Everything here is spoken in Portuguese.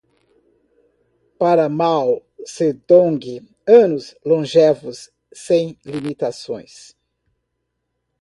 Para Mao Zedong, anos longevos sem limitações